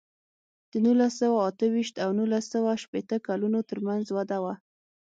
د نولس سوه اته ویشت او نولس سوه شپېته کلونو ترمنځ وده وه.